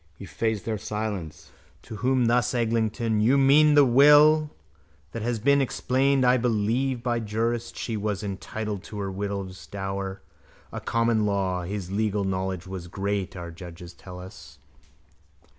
He faced their silence. To whom thus Eglinton: You mean the will. But that has been explained, I believe, by jurists. She was entitled to her widow's dower At common law. His legal knowledge was great Our judges tell us.